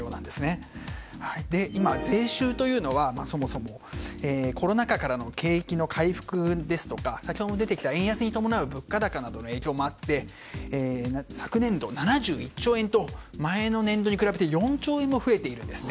そもそも税収というのはコロナ禍からの景気の回復ですとか先ほども出てきた円安に伴う物価高などの影響もあって昨年度、７１兆円と前の年度に比べて４兆円も増えているんです。